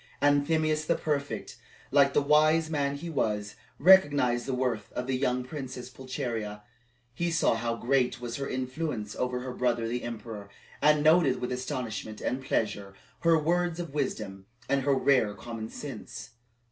Anthemius the prefect, like the wise man he was, recognized the worth of the young Princess Pulcheria; he saw how great was her influence over her brother the emperor, and noted with astonishment and pleasure her words of wisdom and her rare common sense.